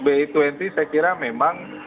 b dua puluh saya kira memang